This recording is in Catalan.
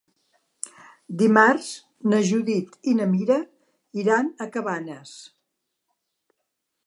Dimarts na Judit i na Mira iran a Cabanes.